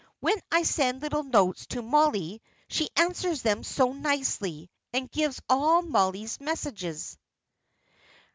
When I send little notes to Mollie, she answers them so nicely, and gives all Mollie's messages."